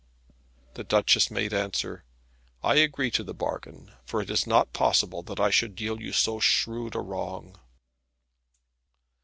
The Duchess made answer, "I agree to the bargain, for it is not possible that I should deal you so shrewd a wrong."